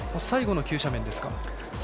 最後の急斜面ですか。